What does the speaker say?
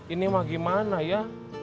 ini mah gimana ya